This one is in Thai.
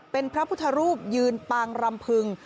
เป็นพระพุทธรูปยืนปางรำพึง